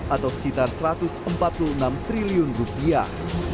atau sekitar satu ratus empat puluh enam triliun rupiah